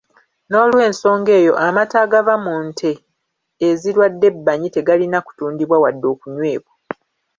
N’olw’ensonga eyo amata agava mu nte ezirwadde ebbanyi tegalina kutundibwa wadde okunywebwa.